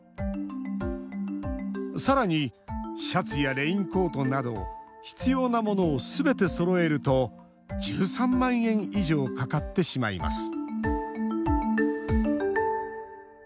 さらにシャツやレインコートなど必要なものをすべてそろえると１３万円以上かかってしまいます